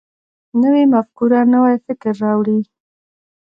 نوې مفکوره نوی فکر راوړي